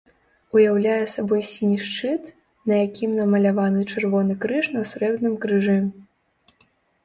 Уяўляе сабой сіні шчыт, на якім намаляваны чырвоны крыж на срэбным крыжы.